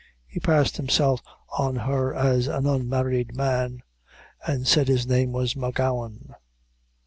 He passed himself on her as an unmarried man, and said his name was M'Gowan.